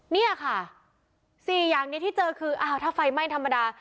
เนี่ยค่ะ๔อย่างนี้ที่เจอคืออ้าวถ้าไฟไหม้ธรรมดา